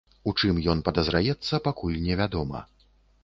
У чым ён падазраецца, пакуль невядома.